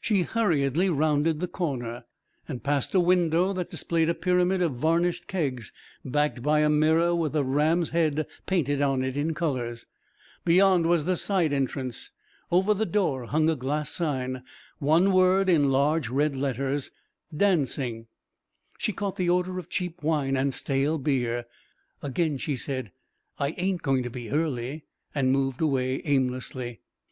She hurriedly rounded the corner and passed a window that displayed a pyramid of varnished kegs backed by a mirror with a ram's head painted on it in colours. Beyond was the side entrance. Over the door hung a glass sign, one word in large red letters: "DANCING." She caught the odour of cheap wine and stale beer. Again she said, "I ain't going to be early," and moved away aimlessly.